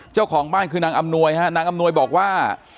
เจ้าของบ้านคือนางอำนวยฮะนางอำนวยบอกว่า